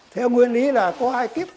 theo nguyên lý là có hai kíp